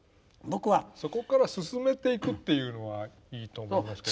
そこから進めていくというのがいいと思いますけどね。